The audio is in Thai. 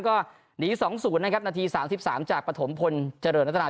ก็หนีสองศูนย์นะครับนาทีสามสิบสามจากประถมพลจรนทนา